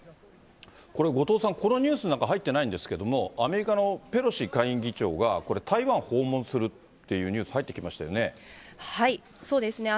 これ、後藤さん、このニュースの中、入ってないんですけれども、アメリカのペロシ下院議長が、これ、台湾訪問するっていうニュース入ってきましたよね。